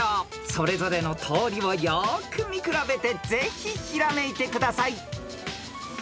［それぞれの通りをよく見比べてぜひひらめいてください］